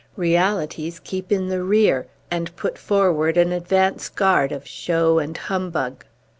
Realities keep in the rear, and put forward an advance guard of show and humbug.